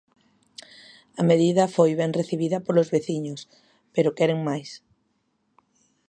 A medida foi ben recibida polos veciños, pero queren máis.